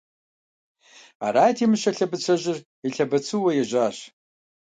Арати, Мыщэ лъэбыцэжьыр елъэбыцыуэу ежьащ.